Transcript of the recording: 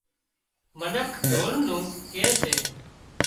منک ڍول نُون ڪي سي